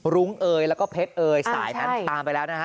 รุ้งเอยแล้วก็เพชรเอยสายนั้นตามไปแล้วนะฮะ